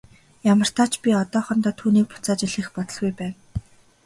Ямартаа ч би одоохондоо түүнийг буцааж илгээх бодолгүй байна.